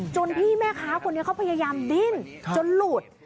พี่แม่ค้าคนนี้เขาพยายามดิ้นจนหลุด